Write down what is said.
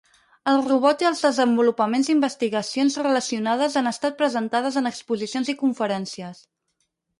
El robot i els desenvolupaments investigacions relacionades han estat presentades en exposicions i conferències.